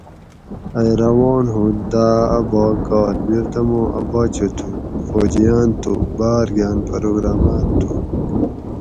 ائ روان ہوت داۤ اۤ باگ گات بیردمو اۤ باچہ تھو فوجیان تھو باۤر گاۤن پروگرامات تھو